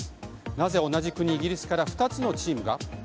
なぜ同じ国イギリスから２つのチームが。